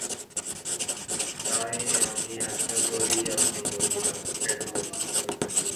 তাই আমি আশা করি আপনি মুরগির আলফ্রেডো পছন্দ করবেন।